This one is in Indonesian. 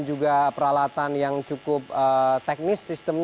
kita akan menjalankan penanganan dbd secara keseluruhan